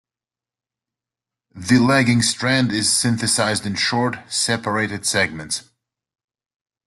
The lagging strand is synthesized in short, separated segments.